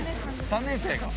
３年生か。